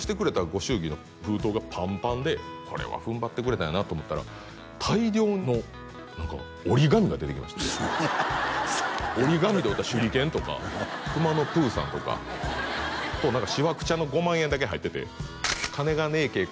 ご祝儀の封筒がパンパンでこれは踏ん張ってくれたんやなと思ったら大量の何か折り紙が出てきまして折り紙で折った手裏剣とかくまのプーさんとかと何かしわくちゃの５万円だけ入ってて「金がねえけえ